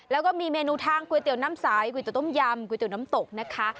แล้วก็มีเมนูทางก๋วยเตี๋ยวน้ำสายก๋วยเตีต้มยำก๋วยเตี๋น้ำตกนะคะ